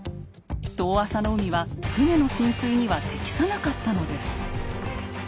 遠浅の海は船の進水には適さなかったのです。